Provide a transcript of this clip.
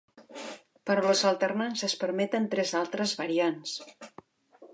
Però les alternances permeten tres altres variants.